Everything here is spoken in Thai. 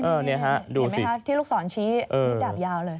เห็นมั้ยคะที่ลูกสอนชี้ดาบยาวเลย